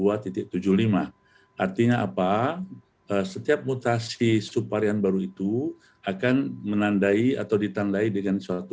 artinya apa setiap mutasi subvarian baru itu akan menandai atau ditandai dengan suatu